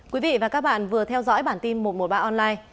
quý vị và các bạn vừa theo dõi bản tin một trăm một mươi ba online